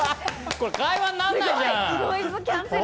これ、会話になんないじゃん。